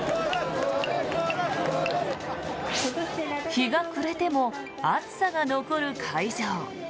日が暮れても暑さが残る会場。